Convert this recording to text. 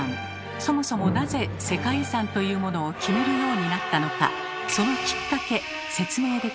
そもそもなぜ世界遺産というものを決めるようになったのかそのきっかけ説明できますか？